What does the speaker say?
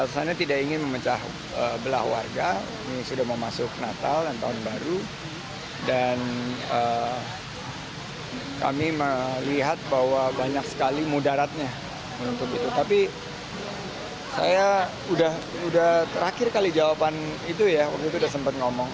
saya sudah terakhir kali jawaban itu ya waktu itu sudah sempat ngomong